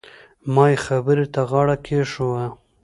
ما يې خبرې ته غاړه کېښووه.